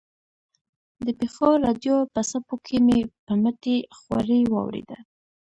د پېښور راډیو په څپو کې مې په مټې خوارۍ واورېده.